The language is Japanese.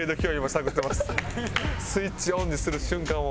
スイッチオンにする瞬間を。